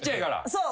そう。